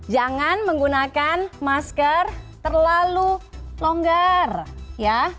jangan menggunakan masker terlalu longgar ya